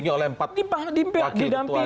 karena didampingi oleh empat wakil ketua dpr